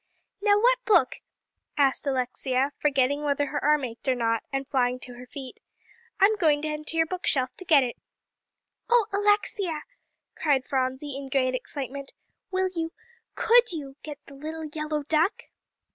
"Now what book?" asked Alexia, forgetting whether her arm ached or not, and flying to her feet. "I'm going down to your bookshelf to get it." "Oh Alexia," cried Phronsie in great excitement, "will you could you get 'The Little Yellow Duck'?"